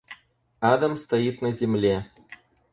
Адом стоит на земле.